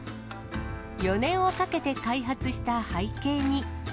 ４年をかけて開発した背景に。